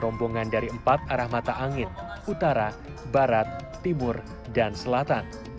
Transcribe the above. seberapa arah mata angin utara barat timur dan selatan